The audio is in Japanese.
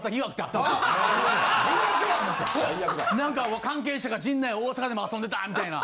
何か関係者が陣内大阪でも遊んでたみたいな。